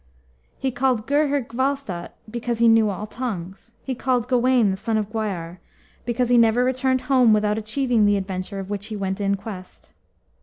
He called Gurhyr Gwalstat, because he knew all tongues. He called Gawain, the son of Gwyar, because he never returned home without achieving the adventure of which he went in quest.